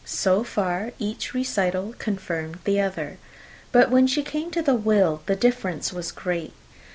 So far each recital confirmed the other; but when she came to the will, the difference was great.